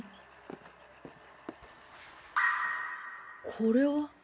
これは？